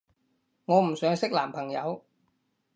我唔想識男朋友